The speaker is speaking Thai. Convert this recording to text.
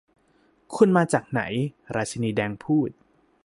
'คุณมาจากไหน' ราชินีแดงพูด